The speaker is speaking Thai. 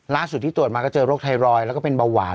ล่าสุดที่ตรวจมาก็เจอโรคไทรอยด์แล้วก็เป็นเบาหวาน